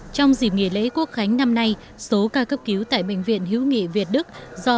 trong dịp nghỉ lễ quốc khánh năm nay số ca cấp cứu tại bệnh viện hữu nghị việt đức do